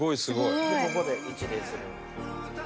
ここで一礼する。